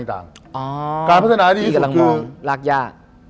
นี่กำลังมองรักยาวการพัฒนายดีสุขคือ